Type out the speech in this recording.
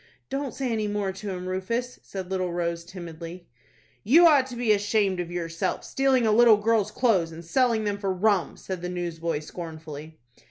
"Don't say any more to him, Rufus," said little Rose, timidly. "You ought to be ashamed of yourself, stealing a little girl's clothes, and selling them for rum," said the newsboy, scornfully.